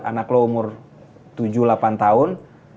anak lo umur tujuh delapan tahun